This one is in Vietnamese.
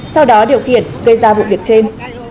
sau đó điều khiển gây ra vụ việc trên